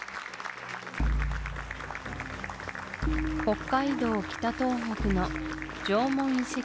北海道・北東北の縄文遺跡